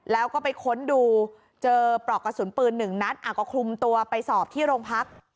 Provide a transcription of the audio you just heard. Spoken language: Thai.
แล้วก็ไปค้นดูเจอปลอกกระสุนปืนหนึ่งนัดก็คุมตัวไปสอบที่โรงพัก